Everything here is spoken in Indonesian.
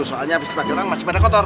soalnya abis dibagi orang masih pada kotor